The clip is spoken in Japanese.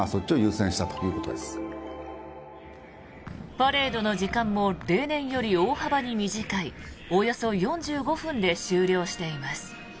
パレードの時間も例年より大幅に短いおよそ４５分で終了しています。